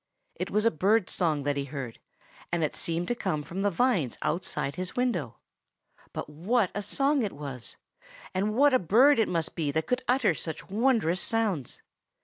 It was a bird's song that he heard, and it seemed to come from the vines outside his window. But what a song it was! And what a bird it must be that could utter such wondrous sounds!